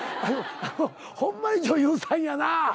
ホンマに女優さんやなぁ。